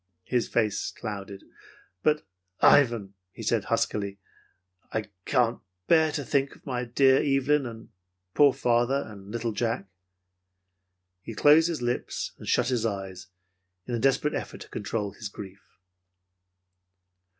His face clouded. "But, Ivan," he said huskily, "I can't bear to think of my dear Evelyn, and poor father, and little Jack." He closed his lips and shut his eyes in a desperate effort to control his grief.